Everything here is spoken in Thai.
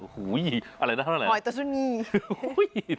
หอยตัวเท่านี้